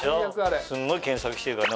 すんごい検索してるからね